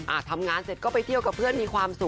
ทำงานเสร็จก็ไปเที่ยวกับเพื่อนมีความสุข